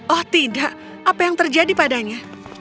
oh tidak apa yang terjadi padanya